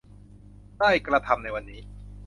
ได้กระทำในวันนี้